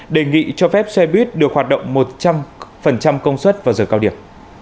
đề nghị cho phép xe buýt được hoạt động một trăm linh công suất vào giờ cao điểm